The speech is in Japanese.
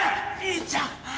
兄ちゃん！